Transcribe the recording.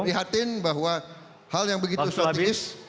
prihatin bahwa hal yang begitu strategis